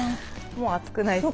もう暑くないですか？